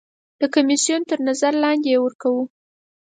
د کمیسیون تر نظر لاندې یې ورکوو.